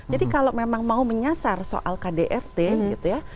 jadi kalau memang mau menyasar soal kdrt gitu ya